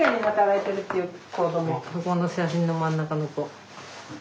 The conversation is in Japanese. そこの写真の真ん中の子。